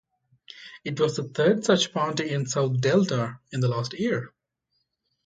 It was the third such party in South Delta in the last year.